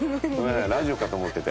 ラジオかと思ってて。